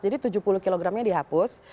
jadi tujuh puluh kilogramnya dihapus